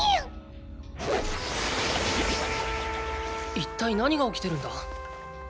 一体何が起きてるんだ？